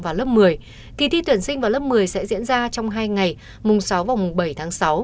vào lớp một mươi kỳ thi tuyển sinh vào lớp một mươi sẽ diễn ra trong hai ngày mùng sáu và mùng bảy tháng sáu